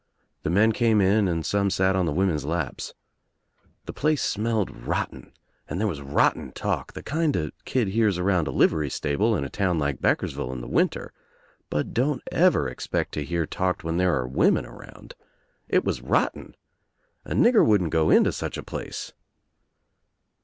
The men came in and some sat on the women's laps. The place smelled rotten and there was rotten talk, the kind a kid hears around a livery stable in a town like Beck ersvllle in the winter but don't ever expect to hear talked when there are women around. It was rotten. A nigger wouldn't go into such a place.